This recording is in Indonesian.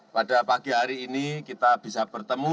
pada pagi hari ini kita bisa bertemu